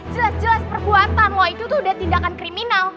jelas jelas perbuatan wah itu tuh udah tindakan kriminal